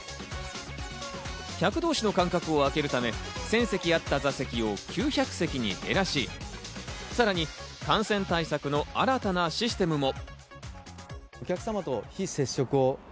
客同士の間隔を空けるため１０００席あった座席を９００席に減らし、さらに感染対策の新たなシステムも。